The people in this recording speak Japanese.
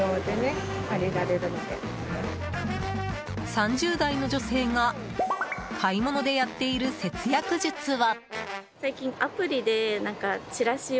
３０代の女性が買い物でやっている節約術は。